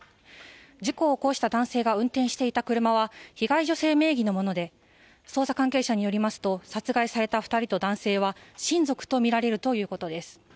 事故を起こした男性が運転していた車は被害女性名義のもので、捜査関係者によりますと殺害された２人と男性は親族とみられるということです。